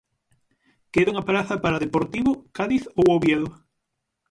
Queda unha praza para Deportivo, Cádiz ou Oviedo.